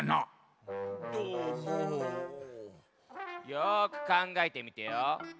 よくかんがえてみてよ。